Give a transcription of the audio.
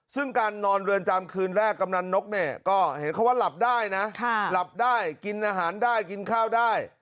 ซึ่งการนอนเรือนจำคืนแรกกำนันนกเนี่ยก็เห็นเขาว่าหลับได้นะหลับได้กินอาหารได้กินข้าวได้